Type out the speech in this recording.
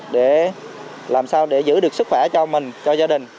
để làm sao để giữ được sức khỏe cho mình cho gia đình